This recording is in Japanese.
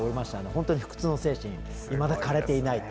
本当に不屈の精神がいまだ、枯れていないと。